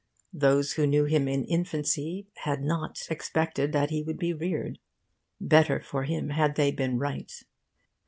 Those who knew him in infancy had not expected that he would be reared. Better for him had they been right.